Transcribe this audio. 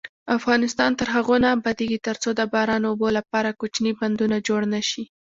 افغانستان تر هغو نه ابادیږي، ترڅو د باران اوبو لپاره کوچني بندونه جوړ نشي.